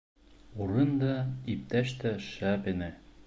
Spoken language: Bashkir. Урын да, иптәш тә шәп ине.